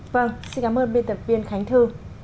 vâng xin cảm ơn biên tập viên khánh thư